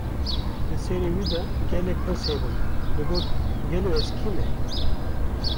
Di serê wî de gelek pirs hebûn, digot: Gelo, ez kî me?